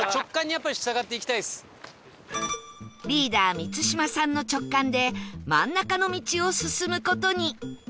リーダー満島さんの直感で真ん中の道を進む事に